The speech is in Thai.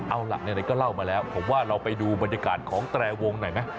เอาล่ะไหนก็เล่ามาแล้วผมว่าเราไปดูบรรยากาศของแตรวงหน่อยไหม